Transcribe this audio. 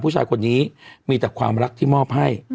ผู้ชายคนนี้มีแต่ความรักที่มอบให้